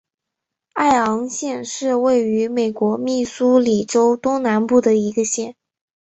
艾昂县是位于美国密苏里州东南部的一个县。